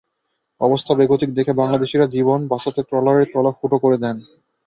অবস্থা বেগতিক ভেবে বাংলাদেশিরা জীবন বাঁচাতে ট্রলারের তলা ফুটো করে দেন।